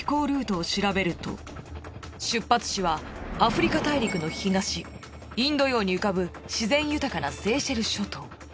出発地はアフリカ大陸の東インド洋に浮かぶ自然豊かなセーシェル諸島。